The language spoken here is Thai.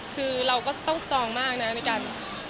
คือเราก็จะต้องสตรองมากนะในการ